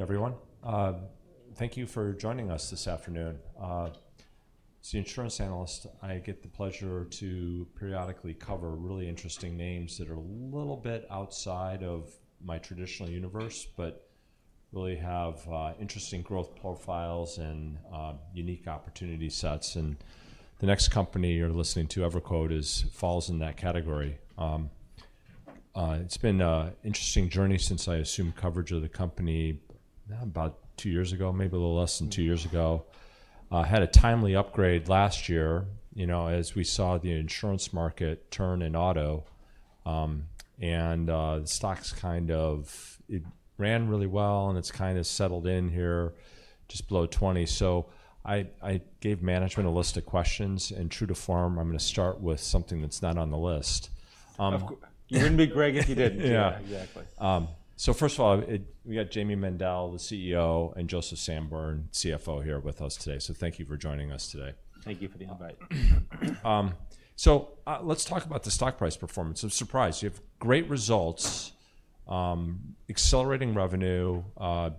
Hey, everyone. Thank you for joining us this afternoon. As the insurance analyst, I get the pleasure to periodically cover really interesting names that are a little bit outside of my traditional universe, but really have interesting growth profiles and unique opportunity sets. And the next company you're listening to, EverQuote, falls in that category. It's been an interesting journey since I assumed coverage of the company about two years ago, maybe a little less than two years ago. I had a timely upgrade last year as we saw the insurance market turn in auto, and the stocks kind of ran really well, and it's kind of settled in here, just below 20. So I gave management a list of questions, and true to form, I'm going to start with something that's not on the list. You wouldn't be Greg if you didn't. Yeah, exactly. So first of all, we got Jayme Mendal, the CEO, and Joseph Sanborn, CFO, here with us today. So thank you for joining us today. Thank you for the invite. So let's talk about the stock price performance. I'm surprised. You have great results, accelerating revenue.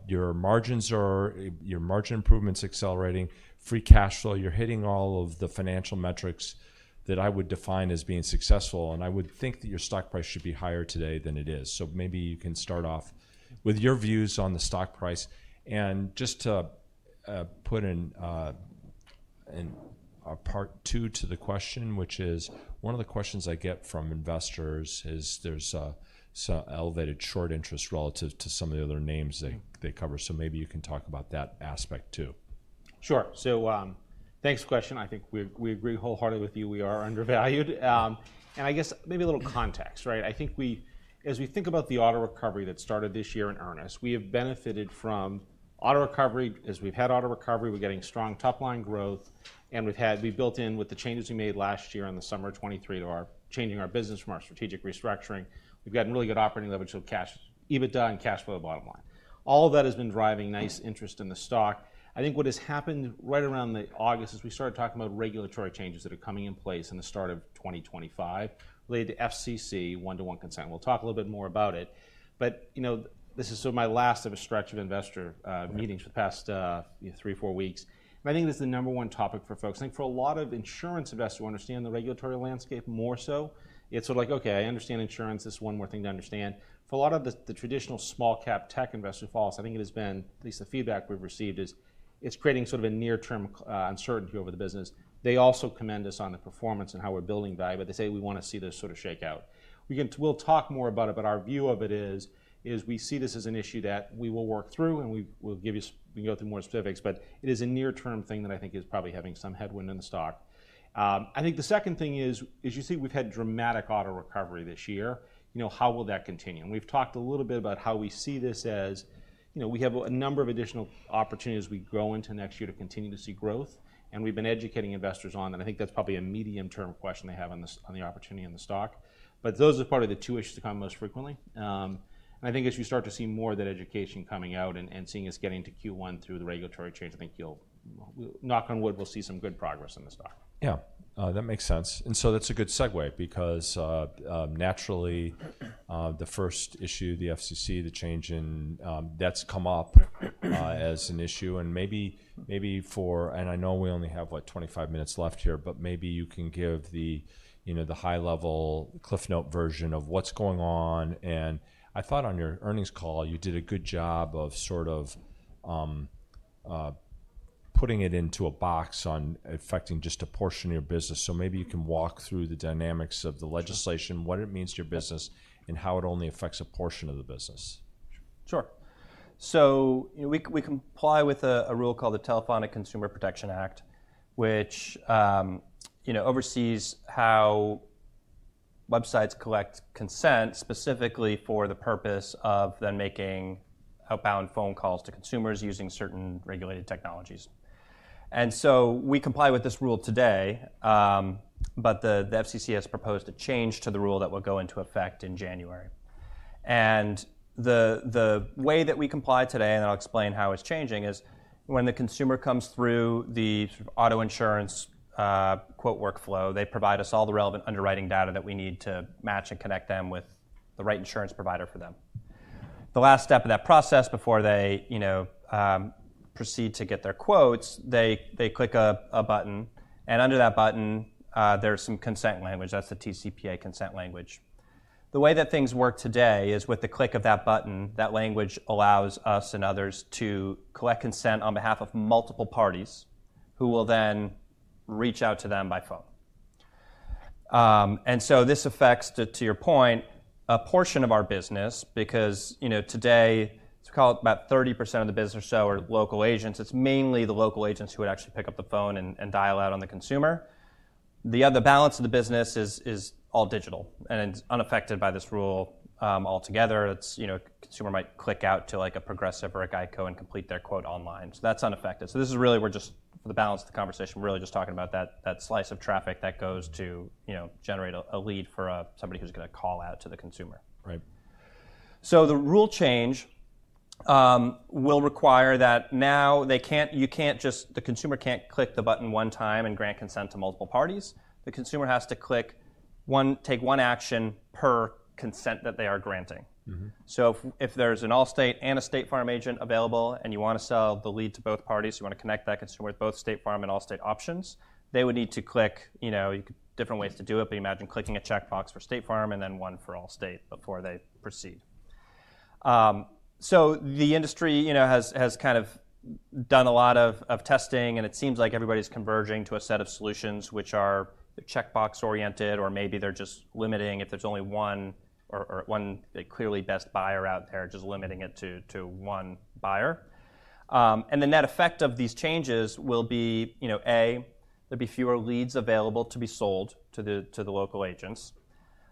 Your margin improvement's accelerating. free cash flow. You're hitting all of the financial metrics that I would define as being successful. And I would think that your stock price should be higher today than it is. So maybe you can start off with your views on the stock price. And just to put in a part two to the question, which is one of the questions I get from investors is there's some elevated short interest relative to some of the other names they cover. So maybe you can talk about that aspect too. Sure. So, thanks for the question. I think we agree wholeheartedly with you. We are undervalued, and I guess maybe a little context. I think as we think about the auto recovery that started this year in earnest, we have benefited from auto recovery. As we've had auto recovery, we're getting strong top-line growth, and we built in with the changes we made last year in the summer of 2023 to our changing our business from our strategic restructuring. We've gotten really good operating leverage on EBITDA and cash flow bottom line. All of that has been driving nice interest in the stock. I think what has happened right around August is we started talking about regulatory changes that are coming in place in the start of 2025 related to FCC One-to-One Consent. We'll talk a little bit more about it. This is sort of the last of a stretch of investor meetings for the past three, four weeks. I think this is the number one topic for folks. I think for a lot of insurance investors who understand the regulatory landscape more so, it's sort of like, "Okay, I understand insurance. This is one more thing to understand." For a lot of the traditional small-cap tech investors who follow us, I think it has been, at least the feedback we've received, is it's creating sort of a near-term uncertainty over the business. They also commend us on the performance and how we're building value. They say, "We want to see this sort of shake out." We'll talk more about it, but our view of it is we see this as an issue that we will work through, and we'll go through more specifics. But it is a near-term thing that I think is probably having some headwind in the stock. I think the second thing is, as you see, we've had dramatic auto recovery this year. How will that continue? And we've talked a little bit about how we see this as we have a number of additional opportunities we grow into next year to continue to see growth. And we've been educating investors on that. I think that's probably a medium-term question they have on the opportunity in the stock. But those are probably the two issues that come up most frequently. And I think as you start to see more of that education coming out and seeing us getting to Q1 through the regulatory change, I think, knock on wood, we'll see some good progress in the stock. Yeah, that makes sense, and so that's a good segue because naturally, the first issue, the FCC, the change in that's come up as an issue, and maybe for, and I know we only have, what, 25 minutes left here, but maybe you can give the high-level cliff note version of what's going on, and I thought on your earnings call, you did a good job of sort of putting it into a box on affecting just a portion of your business, so maybe you can walk through the dynamics of the legislation, what it means to your business, and how it only affects a portion of the business. Sure. So we comply with a rule called the Telephone Consumer Protection Act, which oversees how websites collect consent specifically for the purpose of then making outbound phone calls to consumers using certain regulated technologies. And so we comply with this rule today, but the FCC has proposed a change to the rule that will go into effect in January. And the way that we comply today, and I'll explain how it's changing, is when the consumer comes through the auto insurance quote workflow, they provide us all the relevant underwriting data that we need to match and connect them with the right insurance provider for them. The last step of that process before they proceed to get their quotes, they click a button. And under that button, there's some consent language. That's the TCPA consent language. The way that things work today is with the click of that button, that language allows us and others to collect consent on behalf of multiple parties who will then reach out to them by phone, and so this affects, to your point, a portion of our business because today, let's call it about 30% of the business or so are local agents. It's mainly the local agents who would actually pick up the phone and dial out on the consumer. The other balance of the business is all digital and is unaffected by this rule altogether. A consumer might click out to a Progressive or a GEICO and complete their quote online, so that's unaffected. So this is really for the balance of the conversation, we're really just talking about that slice of traffic that goes to generate a lead for somebody who's going to call out to the consumer. Right. So the rule change will require that now you can't just, the consumer can't click the button one time and grant consent to multiple parties. The consumer has to take one action per consent that they are granting. So if there's an Allstate and a State Farm agent available and you want to sell the lead to both parties, you want to connect that consumer with both State Farm and Allstate options, they would need to click different ways to do it. But imagine clicking a checkbox for State Farm and then one for Allstate before they proceed. So the industry has kind of done a lot of testing, and it seems like everybody's converging to a set of solutions which are checkbox-oriented, or maybe they're just limiting if there's only one clearly best buyer out there, just limiting it to one buyer. That effect of these changes will be, A, there'll be fewer leads available to be sold to the local agents.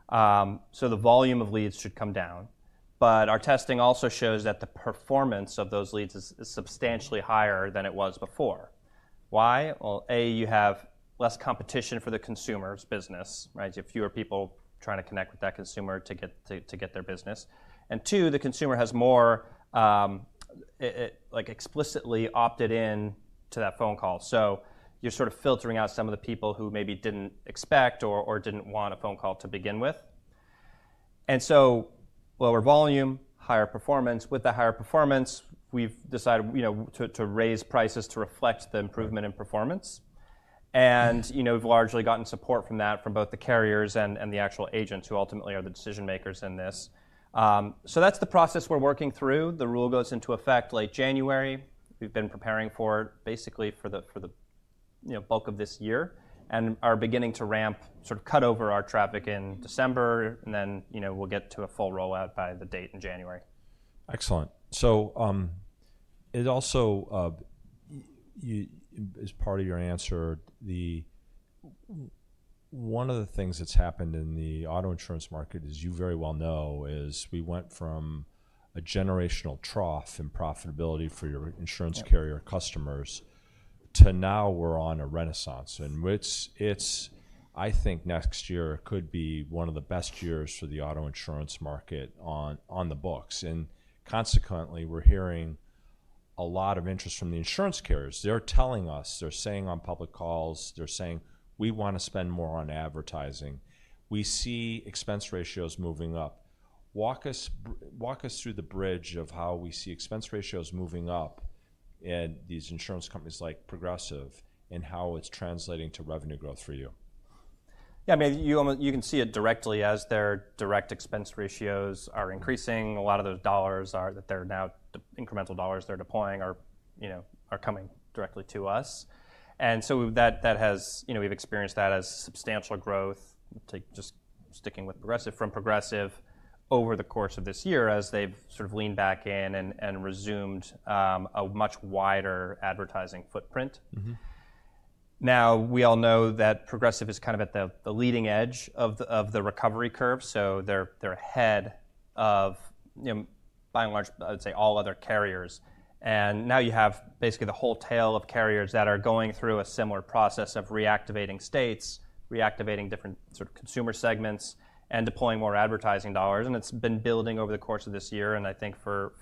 The volume of leads should come down. Our testing also shows that the performance of those leads is substantially higher than it was before. Why? A, you have less competition for the consumer's business. You have fewer people trying to connect with that consumer to get their business. Two, the consumer has more explicitly opted in to that phone call. You're sort of filtering out some of the people who maybe didn't expect or didn't want a phone call to begin with. Lower volume, higher performance. With the higher performance, we've decided to raise prices to reflect the improvement in performance. And we've largely gotten support from that from both the carriers and the actual agents who ultimately are the decision makers in this. So that's the process we're working through. The rule goes into effect late January. We've been preparing for it basically for the bulk of this year and are beginning to ramp, sort of cut over our traffic in December. And then we'll get to a full rollout by the date in January. Excellent, so it also, as part of your answer, one of the things that's happened in the auto insurance market, as you very well know, is we went from a generational trough in profitability for your insurance carrier customers to now we're on a renaissance, and I think next year could be one of the best years for the auto insurance market on the books, and consequently, we're hearing a lot of interest from the insurance carriers. They're telling us, they're saying on public calls, they're saying, "We want to spend more on advertising. We see expense ratios moving up." Walk us through the bridge of how we see expense ratios moving up at these insurance companies like Progressive and how it's translating to revenue growth for you. Yeah, I mean, you can see it directly as their direct expense ratios are increasing. A lot of those dollars that they're now, incremental dollars they're deploying, are coming directly to us. And so we've experienced that as substantial growth, just sticking with Progressive from Progressive over the course of this year as they've sort of leaned back in and resumed a much wider advertising footprint. Now, we all know that Progressive is kind of at the leading edge of the recovery curve. So they're ahead of, by and large, I would say all other carriers. And now you have basically the whole tail of carriers that are going through a similar process of reactivating states, reactivating different consumer segments, and deploying more advertising dollars. And it's been building over the course of this year. And I think for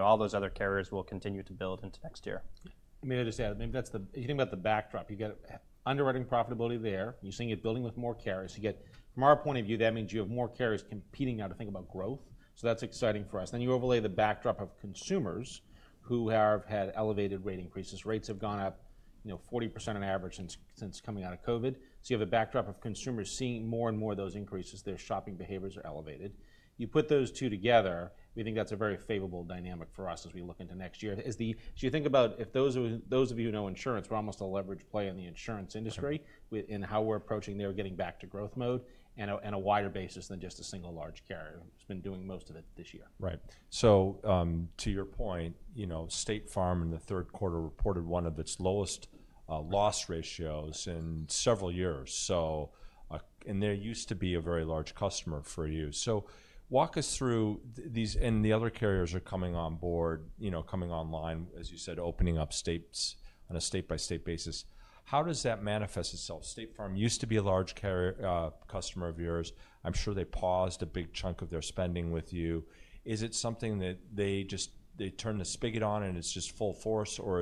all those other carriers, we'll continue to build into next year. I mean, as I said, if you think about the backdrop, you've got underwriting profitability there. You're seeing it building with more carriers. From our point of view, that means you have more carriers competing now to think about growth. So that's exciting for us. Then you overlay the backdrop of consumers who have had elevated rate increases. Rates have gone up 40% on average since coming out of COVID. So you have a backdrop of consumers seeing more and more of those increases. Their shopping behaviors are elevated. You put those two together, we think that's a very favorable dynamic for us as we look into next year. So, you think about if those of you who know insurance were almost a leverage play in the insurance industry in how we're approaching their getting back to growth mode on a wider basis than just a single large carrier who's been doing most of it this year. Right. So to your point, State Farm in the third quarter reported one of its lowest loss ratios in several years. And there used to be a very large customer for you. So walk us through these, and the other carriers are coming on board, coming online, as you said, opening up states on a state-by-state basis. How does that manifest itself? State Farm used to be a large customer of yours. I'm sure they paused a big chunk of their spending with you. Is it something that they turned the spigot on and it's just full force? Or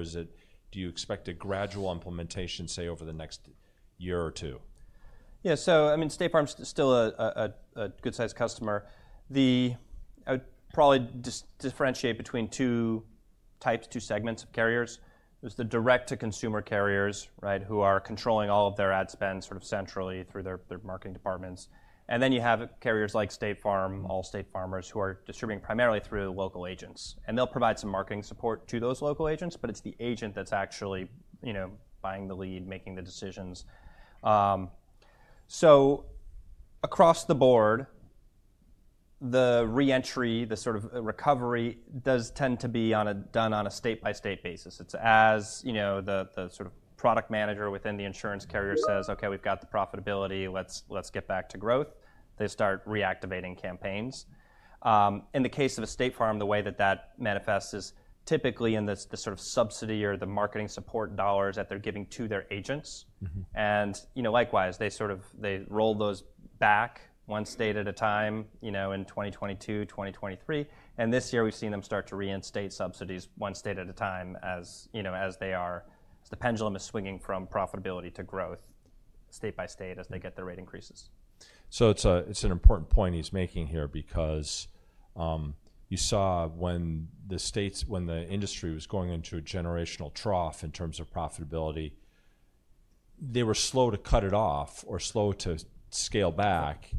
do you expect a gradual implementation, say, over the next year or two? Yeah, so I mean, State Farm's still a good-sized customer. I would probably differentiate between two types, two segments of carriers. There's the direct-to-consumer carriers who are controlling all of their ad spend sort of centrally through their marketing departments. And then you have carriers like State Farm, Allstate, Farmers, who are distributing primarily through local agents. And they'll provide some marketing support to those local agents, but it's the agent that's actually buying the lead, making the decisions. So across the board, the reentry, the sort of recovery does tend to be done on a state-by-state basis. It's as the sort of product manager within the insurance carrier says, "Okay, we've got the profitability. Let's get back to growth." They start reactivating campaigns. In the case of a State Farm, the way that that manifests is typically in the sort of subsidy or the marketing support dollars that they're giving to their agents, and likewise, they sort of roll those back one state at a time in 2022, 2023, and this year, we've seen them start to reinstate subsidies one state at a time as the pendulum is swinging from profitability to growth state by state as they get their rate increases. So it's an important point he's making here because you saw when the states, when the industry was going into a generational trough in terms of profitability, they were slow to cut it off or slow to scale back.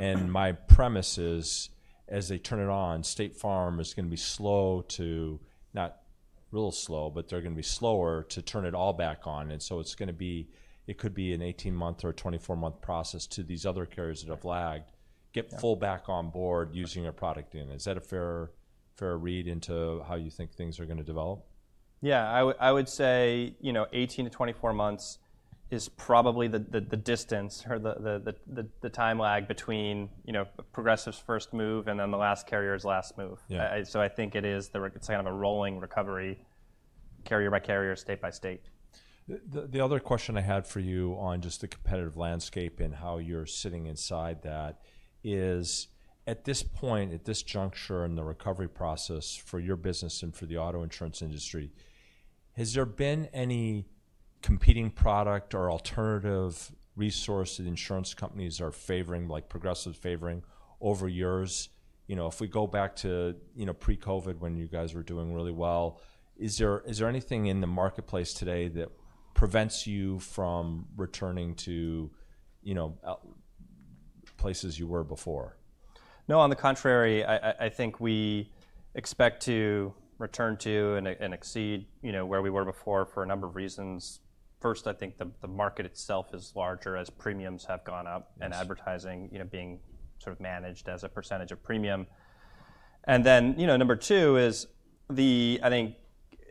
And my premise is, as they turn it on, State Farm is going to be slow to, not real slow, but they're going to be slower to turn it all back on. And so it's going to be, it could be an 18-month or 24-month process to these other carriers that have lagged, get full back on board using a product unit. Is that a fair read into how you think things are going to develop? Yeah, I would say 18-24 months is probably the distance or the time lag between Progressive's first move and then the last carrier's last move. So I think it's kind of a rolling recovery, carrier by carrier, state by state. The other question I had for you on just the competitive landscape and how you're sitting inside that is, at this point, at this juncture in the recovery process for your business and for the auto insurance industry, has there been any competing product or alternative resource that insurance companies are favoring, like Progressive's favoring, over years? If we go back to pre-COVID when you guys were doing really well, is there anything in the marketplace today that prevents you from returning to places you were before? No, on the contrary, I think we expect to return to and exceed where we were before for a number of reasons. First, I think the market itself is larger as premiums have gone up and advertising being sort of managed as a percentage of premium. And then number two is, I think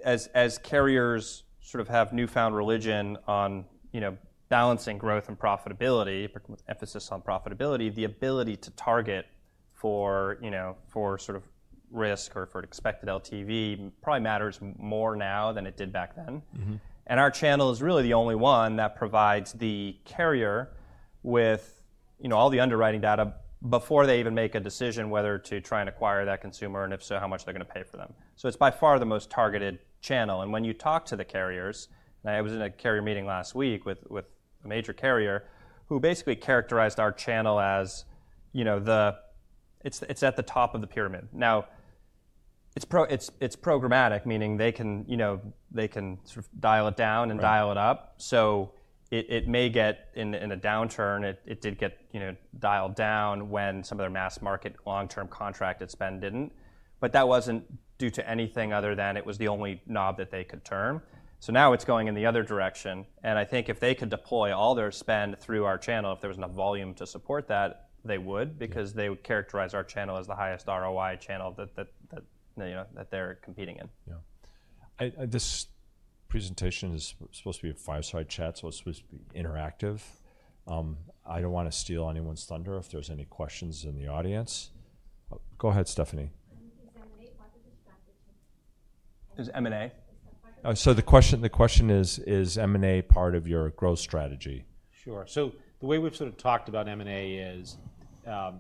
as carriers sort of have newfound religion on balancing growth and profitability, emphasis on profitability, the ability to target for sort of risk or for expected LTV probably matters more now than it did back then. And our channel is really the only one that provides the carrier with all the underwriting data before they even make a decision whether to try and acquire that consumer and if so, how much they're going to pay for them. So it's by far the most targeted channel. When you talk to the carriers, I was in a carrier meeting last week with a major carrier who basically characterized our channel as. It's at the top of the pyramid. Now, it's programmatic, meaning they can sort of dial it down and dial it up. So it may get in a downturn. It did get dialed down when some of their mass market long-term contracted spend didn't. But that wasn't due to anything other than it was the only knob that they could turn. So now it's going in the other direction. And I think if they could deploy all their spend through our channel, if there was enough volume to support that, they would because they would characterize our channel as the highest ROI channel that they're competing in. Yeah. This presentation is supposed to be a fireside chat, so it's supposed to be interactive. I don't want to steal anyone's thunder if there's any questions in the audience. Go ahead, Stephanie. Is M&A part of your strategy? Is M&A? So the question is, is M&A part of your growth strategy? Sure. So the way we've sort of talked about M&A is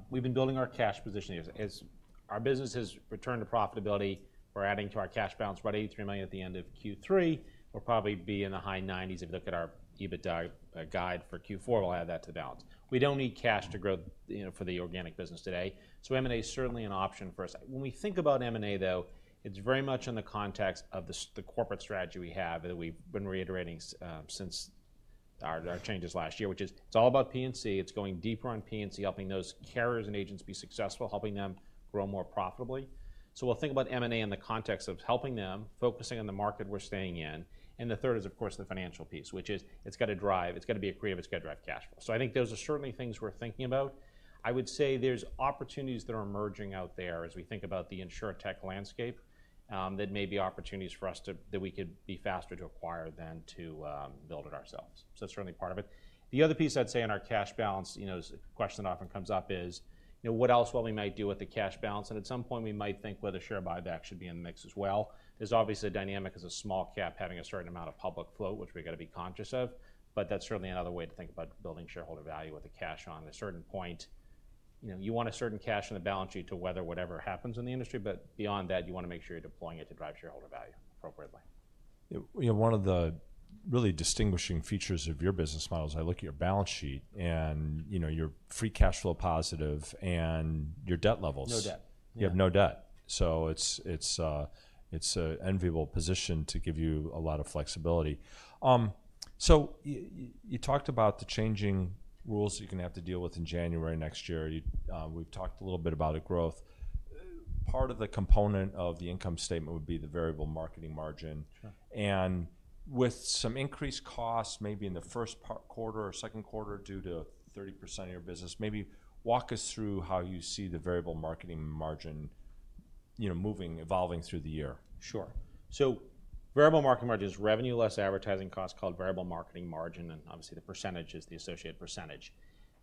we've been building our cash position. As our business has returned to profitability, we're adding to our cash balance, about $83 million at the end of Q3. We'll probably be in the high $90s million. If you look at our EBITDA guide for Q4, we'll add that to the balance. We don't need cash to grow for the organic business today. So M&A is certainly an option for us. When we think about M&A, though, it's very much in the context of the corporate strategy we have that we've been reiterating since our changes last year, which is it's all about P&C. It's going deeper on P&C, helping those carriers and agents be successful, helping them grow more profitably. So we'll think about M&A in the context of helping them, focusing on the market we're staying in. And the third is, of course, the financial piece, which is it's got to drive. It's got to be accretive. It's got to drive cash flow. So I think those are certainly things we're thinking about. I would say there's opportunities that are emerging out there as we think about the insurtech landscape that may be opportunities for us that we could be faster to acquire than to build it ourselves. So that's certainly part of it. The other piece I'd say in our cash balance, a question that often comes up is, what else we might do with the cash balance? And at some point, we might think whether share buyback should be in the mix as well. There's obviously a dynamic as a small-cap having a certain amount of public float, which we've got to be conscious of. But that's certainly another way to think about building shareholder value with the cash on. At a certain point, you want a certain cash in the balance sheet to weather whatever happens in the industry. But beyond that, you want to make sure you're deploying it to drive shareholder value appropriately. One of the really distinguishing features of your business models. I look at your balance sheet and your Free Cash Flow positive and your debt levels. No debt. You have no debt. So it's an enviable position to give you a lot of flexibility. So you talked about the changing rules that you're going to have to deal with in January next year. We've talked a little bit about growth. Part of the component of the income statement would be the Variable Marketing Margin. And with some increased costs, maybe in the first quarter or second quarter due to 30% of your business, maybe walk us through how you see the Variable Marketing Margin moving, evolving through the year? Sure. So Variable Marketing Margin is revenue less advertising costs, called Variable Marketing Margin. And obviously, the percentage is the associated percentage.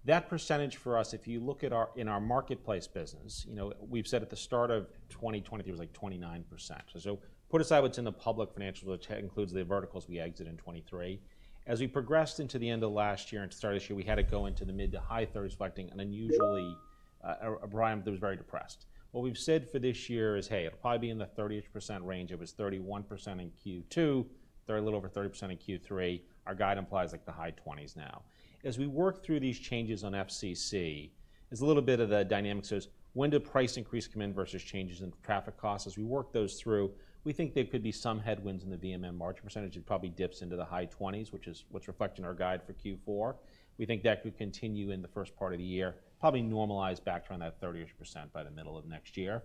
That percentage for us, if you look at our marketplace business, we've said at the start of 2020, it was like 29%. So put aside what's in the public financials, which includes the verticals we exited in 2023. As we progressed into the end of last year and start of this year, we had to go into the mid- to high-30s, reflecting an unusually low RPM that was very depressed. What we've said for this year is, hey, it'll probably be in the 30% range. It was 31% in Q2, very little over 30% in Q3. Our guide implies like the high-20s now. As we work through these changes on FCC, it's a little bit of a dynamic. So it's when do price increase come in versus changes in traffic costs? As we work those through, we think there could be some headwinds in the VMM margin percentage. It probably dips into the high 20s, which is what's reflecting our guide for Q4. We think that could continue in the first part of the year, probably normalize back to around that 30% by the middle of next year.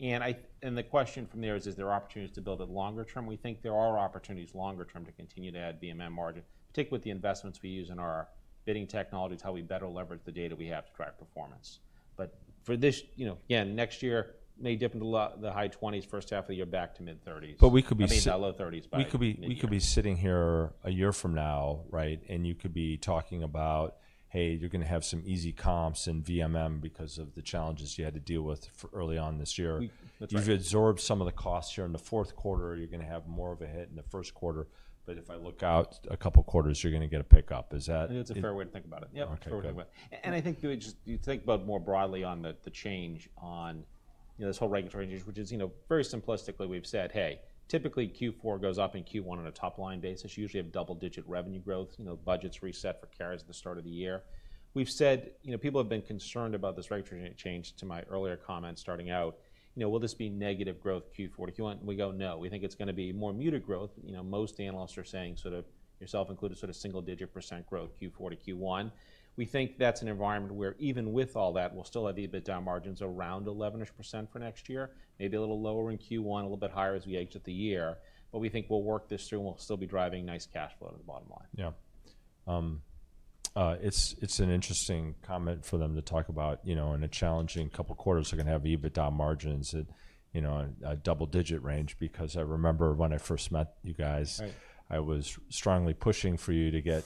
And the question from there is, is there opportunities to build it longer term? We think there are opportunities longer term to continue to add VMM margin, particularly with the investments we use in our bidding technologies, how we better leverage the data we have to drive performance. But for this, again, next year may dip into the high 20s, first half of the year back to mid 30s. But we could be sitting. I mean, the low 30s back. We could be sitting here a year from now, right? And you could be talking about, hey, you're going to have some easy comps in VMM because of the challenges you had to deal with early on this year. You've absorbed some of the costs here in the fourth quarter. You're going to have more of a hit in the first quarter. But if I look out a couple of quarters, you're going to get a pickup. Is that? I think that's a fair way to think about it. Yep, fair way to think about it. And I think you think about more broadly on the change on this whole regulatory change, which is very simplistically, we've said, hey, typically Q4 goes up and Q1 on a top line basis. You usually have double-digit revenue growth, budgets reset for carriers at the start of the year. We've said people have been concerned about this regulatory change to my earlier comments starting out, will this be negative growth Q4 to Q1? And we go, no. We think it's going to be more muted growth. Most analysts are saying sort of, yourself included, sort of single-digit % growth Q4 to Q1. We think that's an environment where even with all that, we'll still have EBITDA margins around 11-ish% for next year, maybe a little lower in Q1, a little bit higher as we exit the year. But we think we'll work this through and we'll still be driving nice cash flow to the bottom line. Yeah. It's an interesting comment for them to talk about in a challenging couple of quarters they're going to have EBITDA margins at a double-digit range because I remember when I first met you guys, I was strongly pushing for you to get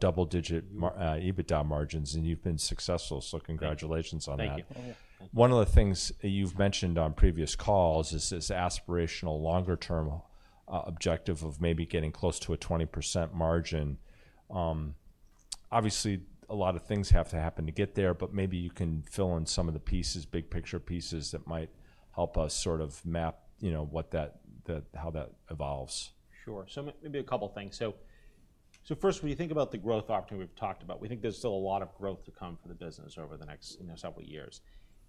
double-digit EBITDA margins, and you've been successful, so congratulations on that. Thank you. One of the things you've mentioned on previous calls is this aspirational longer-term objective of maybe getting close to a 20% margin. Obviously, a lot of things have to happen to get there, but maybe you can fill in some of the pieces, big picture pieces that might help us sort of map how that evolves. Sure. So maybe a couple of things. So first, when you think about the growth opportunity we've talked about, we think there's still a lot of growth to come for the business over the next several years.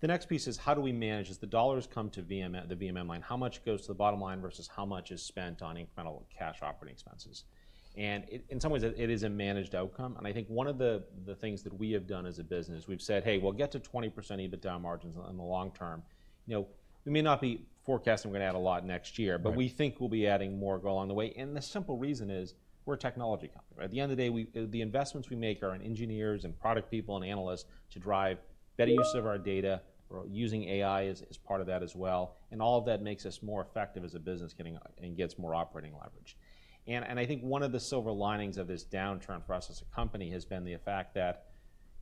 The next piece is how do we manage as the dollars come to the VMM line, how much goes to the bottom line versus how much is spent on incremental cash operating expenses. And in some ways, it is a managed outcome. And I think one of the things that we have done as a business, we've said, hey, we'll get to 20% EBITDA margins in the long term. We may not be forecasting we're going to add a lot next year, but we think we'll be adding more along the way. And the simple reason is we're a technology company. At the end of the day, the investments we make are in engineers and product people and analysts to drive better use of our data. We're using AI as part of that as well. And all of that makes us more effective as a business and gets more operating leverage. And I think one of the silver linings of this downturn for us as a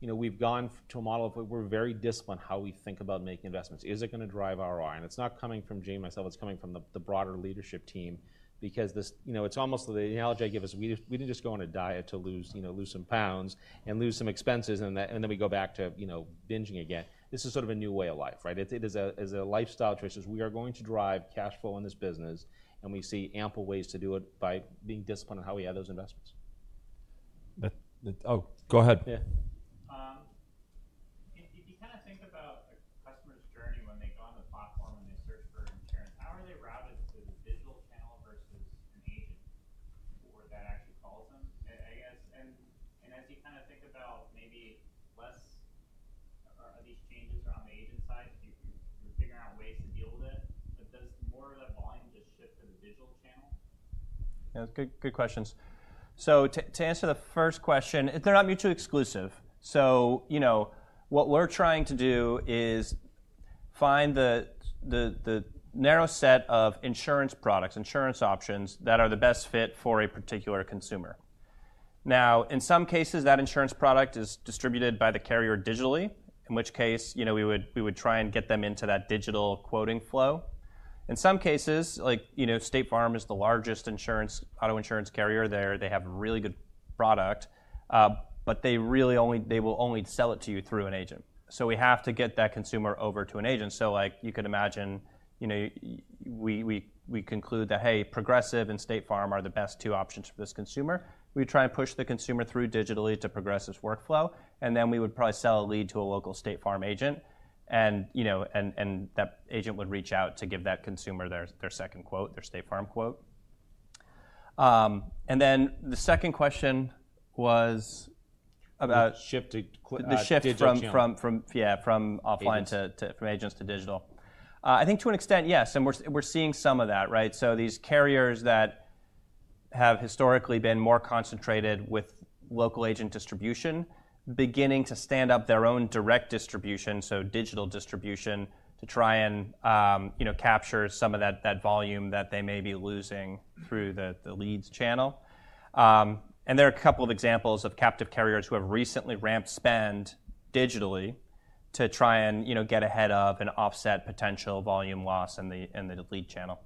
company has been the fact that we've gone to a model of we're very disciplined how we think about making investments. Is it going to drive ROI? And it's not coming from Jamie and myself. It's coming from the broader leadership team because it's almost the analogy I give us. We didn't just go on a diet to lose some pounds and lose some expenses, and then we go back to binging again. This is sort of a new way of life, right? It is a lifestyle choice. We are going to drive cash flow in this business, and we see ample ways to do it by being disciplined in how we add those investments. Oh, go ahead. If you kind of think about a customer's journey when they go on the platform and they search for insurance, how are they routed to the digital channel versus an agent where that actually calls them, I guess? And as you kind of think about maybe less of these changes around the agent side, you're figuring out ways to deal with it. But does more of that volume just shift to the digital channel? Yeah, good questions. So to answer the first question, they're not mutually exclusive. So what we're trying to do is find the narrow set of insurance products, insurance options that are the best fit for a particular consumer. Now, in some cases, that insurance product is distributed by the carrier digitally, in which case we would try and get them into that digital quoting flow. In some cases, like State Farm is the largest auto insurance carrier there. They have a really good product, but they will only sell it to you through an agent. So we have to get that consumer over to an agent. So you could imagine we conclude that, hey, Progressive and State Farm are the best two options for this consumer. We try and push the consumer through digitally to Progressive's workflow, and then we would probably sell a lead to a local State Farm agent, and that agent would reach out to give that consumer their second quote, their State Farm quote, and then the second question was about. The shift to digital transition. The shift from offline to agents to digital. I think to an extent, yes, and we're seeing some of that, right, so these carriers that have historically been more concentrated with local agent distribution beginning to stand up their own direct distribution, so digital distribution, to try and capture some of that volume that they may be losing through the leads channel, and there are a couple of examples of captive carriers who have recently ramped spend digitally to try and get ahead of and offset potential volume loss in the lead channel.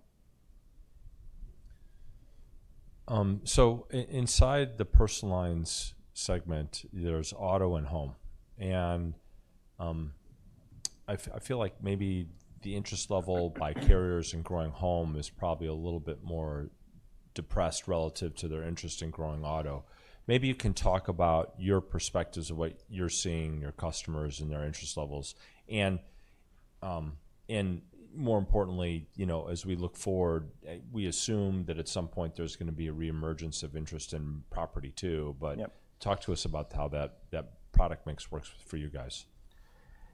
Inside the personalized segment, there's auto and home. I feel like maybe the interest level by carriers in growing home is probably a little bit more depressed relative to their interest in growing auto. Maybe you can talk about your perspectives of what you're seeing, your customers, and their interest levels. More importantly, as we look forward, we assume that at some point there's going to be a reemergence of interest in property too. Talk to us about how that product mix works for you guys.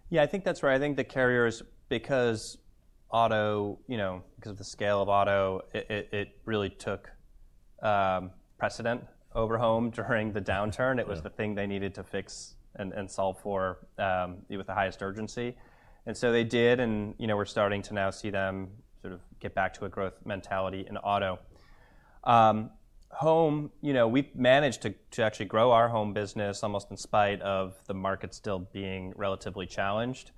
Yeah, I think that's right. I think the carriers, because of the scale of auto, it really took precedence over home during the downturn. It was the thing they needed to fix and solve for with the highest urgency. And so they did, and we're starting to now see them sort of get back to a growth mentality in auto. Home, we've managed to actually grow our home business almost in spite of the market still being relatively challenged.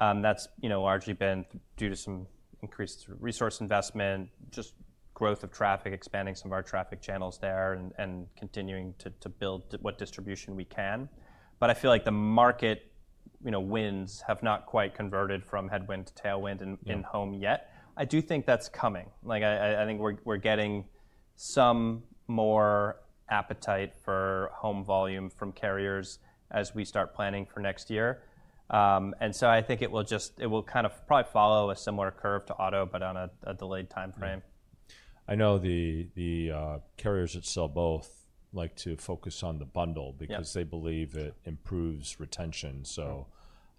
That's largely been due to some increased resource investment, just growth of traffic, expanding some of our traffic channels there, and continuing to build what distribution we can. But I feel like the market winds have not quite converted from headwind to tailwind in home yet. I do think that's coming. I think we're getting some more appetite for home volume from carriers as we start planning for next year. And so I think it will just kind of probably follow a similar curve to auto, but on a delayed time frame. I know the carriers like State Farm like to focus on the bundle because they believe it improves retention, so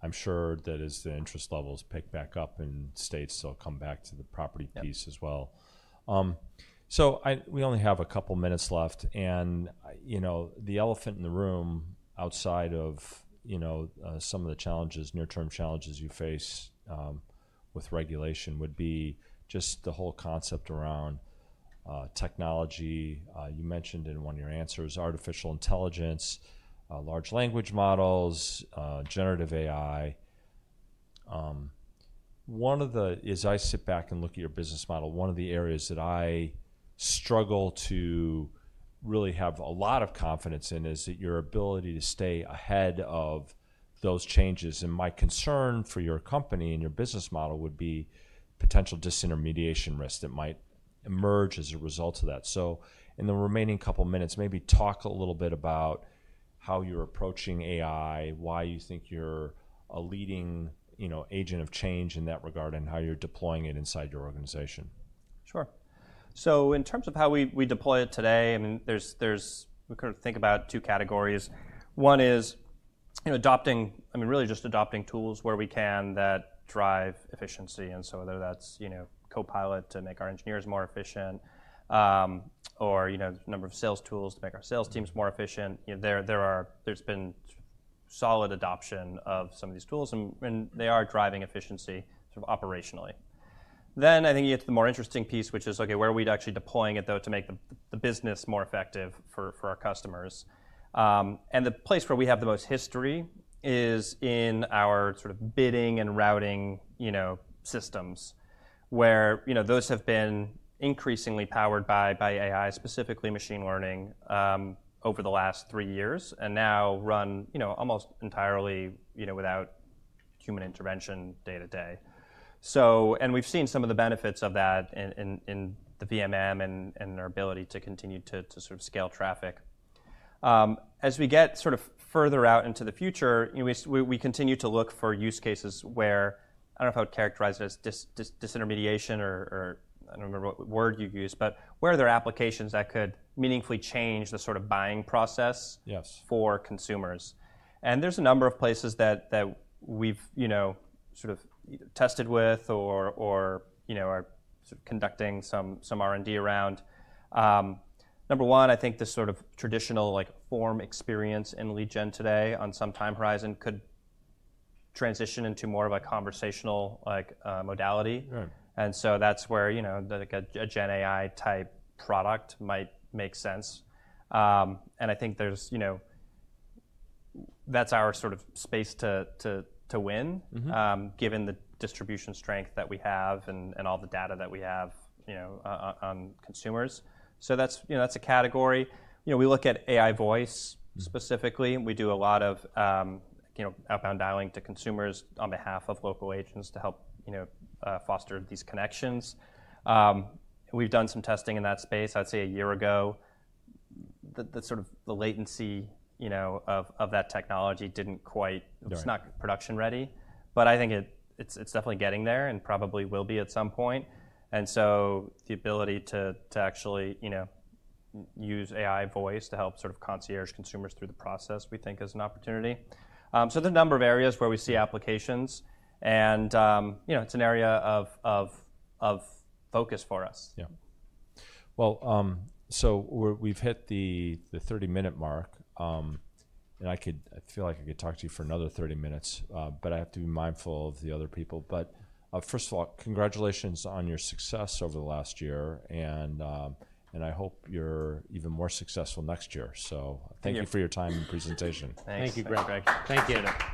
I'm sure that as the interest levels pick back up in states, they'll come back to the property piece as well, so we only have a couple of minutes left, and the elephant in the room outside of some of the challenges, near-term challenges you face with regulation would be just the whole concept around technology. You mentioned in one of your answers, artificial intelligence, large language models, generative AI. As I sit back and look at your business model, one of the areas that I struggle to really have a lot of confidence in is your ability to stay ahead of those changes, and my concern for your company and your business model would be potential disintermediation risks that might emerge as a result of that. So in the remaining couple of minutes, maybe talk a little bit about how you're approaching AI, why you think you're a leading agent of change in that regard, and how you're deploying it inside your organization. Sure. So in terms of how we deploy it today, I mean, we kind of think about two categories. One is adopting, I mean, really just adopting tools where we can that drive efficiency. And so whether that's Copilot to make our engineers more efficient or a number of sales tools to make our sales teams more efficient, there's been solid adoption of some of these tools, and they are driving efficiency sort of operationally. Then I think you get to the more interesting piece, which is, okay, where are we actually deploying it though to make the business more effective for our customers? And the place where we have the most history is in our sort of bidding and routing systems, where those have been increasingly powered by AI, specifically machine learning, over the last three years, and now run almost entirely without human intervention day to day. And we've seen some of the benefits of that in the VMM and our ability to continue to sort of scale traffic. As we get sort of further out into the future, we continue to look for use cases where I don't know if I would characterize it as disintermediation or I don't remember what word you use, but where are there applications that could meaningfully change the sort of buying process for consumers? And there's a number of places that we've sort of tested with or are sort of conducting some R&D around. Number one, I think the sort of traditional form experience in lead gen today on some time horizon could transition into more of a conversational modality. And so that's where a Gen AI type product might make sense. I think that's our sort of space to win, given the distribution strength that we have and all the data that we have on consumers. That's a category. We look at AI voice specifically. We do a lot of outbound dialing to consumers on behalf of local agents to help foster these connections. We've done some testing in that space, I'd say a year ago. Sort of the latency of that technology didn't quite. It's not production ready, but I think it's definitely getting there and probably will be at some point. The ability to actually use AI voice to help sort of concierge consumers through the process, we think, is an opportunity. There are a number of areas where we see applications, and it's an area of focus for us. We've hit the 30-minute mark, and I feel like I could talk to you for another 30 minutes, but I have to be mindful of the other people. First of all, congratulations on your success over the last year, and I hope you're even more successful next year. Thank you for your time and presentation. Thank you, Greg. Thank you.